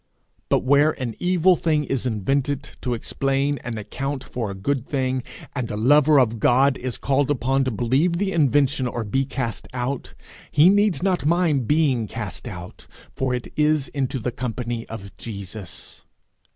But where an evil thing is invented to explain and account for a good thing, and a lover of God is called upon to believe the invention or be cast out, he needs not mind being cast out, for it is into the company of Jesus.